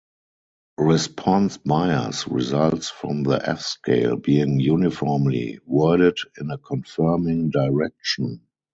Response bias results from the F scale being uniformly worded in a confirming direction.